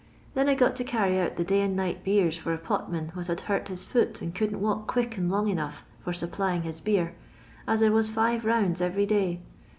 Then I got to carry out the day and night beers for a potman what had hurt his foot and couldn't walk quick and long enough for supplying his beer, as there was five rounds every day.